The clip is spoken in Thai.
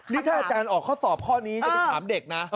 นี่ถ้าอาจารย์ออกข้อสอบข้อนี้จะไปถามเด็กนะ